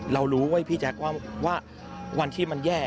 เรารู้เว้ยพี่แจ๊คว่าวันที่มันแย่